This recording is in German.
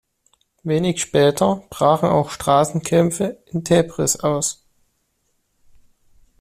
Wenig später brachen auch Straßenkämpfe in Täbris aus.